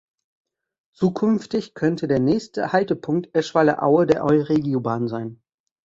Zukünftig könnte der nächste Haltepunkt Eschweiler-Aue der euregiobahn sein.